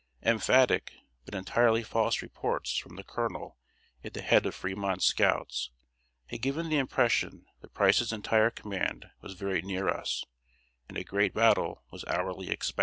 Emphatic, but entirely false reports from the colonel at the head of Fremont's scouts, had given the impression that Price's entire command was very near us; and a great battle was hourly expected.